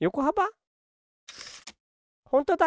ほんとだ！